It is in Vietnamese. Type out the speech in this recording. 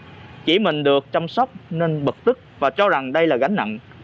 bà bông chỉ mình được chăm sóc nên bật tức và cho rằng đây là gánh nặng